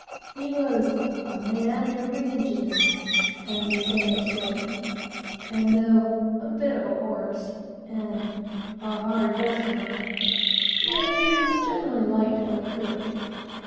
He was "a man, every inch of him," as the sailors said; and though "a bit of a horse," and "a hard customer," yet he was generally liked by the crew.